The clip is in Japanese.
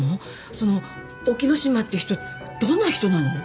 その沖野島って人どんな人なの？